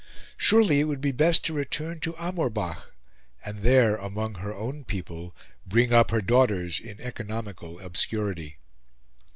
Surely it would be best to return to Amorbach, and there, among her own people, bring up her daughters in economical obscurity.